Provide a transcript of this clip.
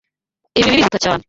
Ibi birihuta cyane.